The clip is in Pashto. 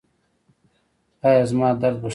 ایا زما درد به ښه شي؟